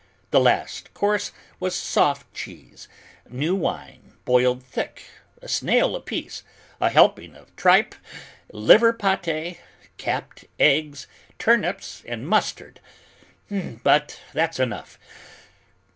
The last course was soft cheese, new wine boiled thick, a snail apiece, a helping of tripe, liver pate, capped eggs, turnips and mustard. But that's enough.